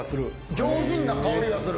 上品な香りがする。